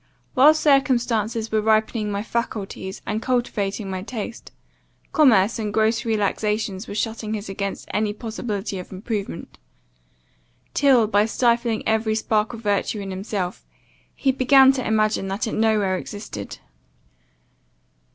While circumstances were ripening my faculties, and cultivating my taste, commerce and gross relaxations were shutting his against any possibility of improvement, till, by stifling every spark of virtue in himself, he began to imagine that it no where existed.